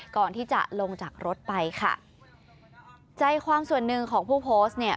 ก่อนที่จะลงจากรถไปค่ะใจความส่วนหนึ่งของผู้โพสต์เนี่ย